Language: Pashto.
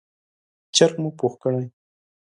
چرګ مو پوخ کړی،